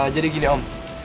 jadi gini om